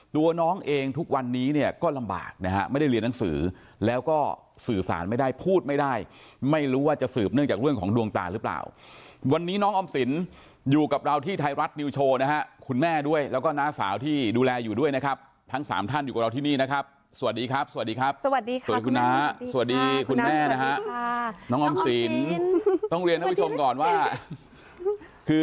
ทุกวันนี้เนี่ยก็ลำบากนะฮะไม่ได้เรียนหนังสือแล้วก็สื่อสารไม่ได้พูดไม่ได้ไม่รู้ว่าจะสืบเนื่องจากเรื่องของดวงตาหรือเปล่าวันนี้น้องออมศิลป์อยู่กับเราที่ไทยรัฐนิวโชว์นะฮะคุณแม่ด้วยแล้วก็น้าสาวที่ดูแลอยู่ด้วยนะครับทั้งสามท่านอยู่กับเราที่นี่นะครับสวัสดีครับสวัสดีครับสวัสดีครับคุณน้าส